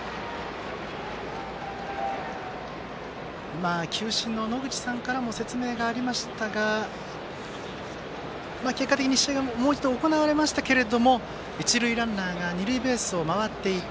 今、球審の野口さんからも説明がありましたが結果的に試合がもう一度行われましたが一塁ランナーが二塁ベースを回っていた。